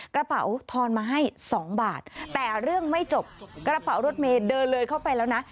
กระเป๋าทอนมาให้๒บาทแต่เรื่องไม่จบกระเป๋ารถเมย์เดินเลยเข้าไปแล้วนะ